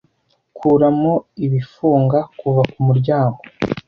Kuramo ibifunga kuva kumuryango!